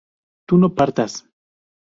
¿tú no partas?